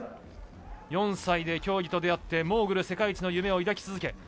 ４歳で競技と出会ってモーグル世界一の夢を抱き続け